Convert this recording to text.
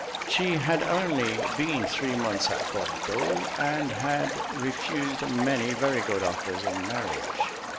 She had only been three months at Bordeaux, and had refused many very good offers in marriage.